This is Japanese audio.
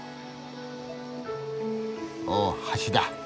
おお橋だ。